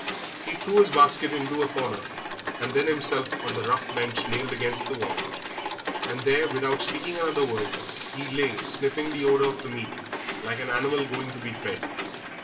He threw his basket into a corner, and then himself on the rough bench nailed against the wall, and there, without speaking another word, he lay sniffing the odour of the meat like an animal going to be fed.